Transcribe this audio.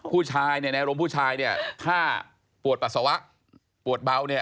ผู้ชายในอารมณ์ผู้ชายถ้าปวดปัสสาวะปวดเบา